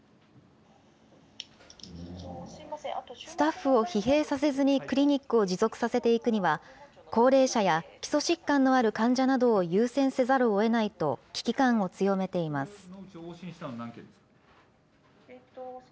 スタッフを疲弊させずにクリニックを持続させていくには、高齢者や基礎疾患のある患者などを優先せざるをえないと、危機感を強めています。